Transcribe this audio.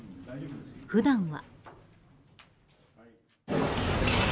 普段は。